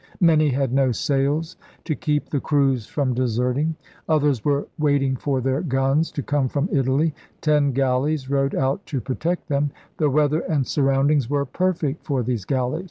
Many had no sails — to keep the crews from deserting. Others were waiting for their guns to come from Italy. Ten galleys rowed out 166 ELIZABETHAN SEA DOGS to protect them. The weather and surroundings were perfect for these galleys.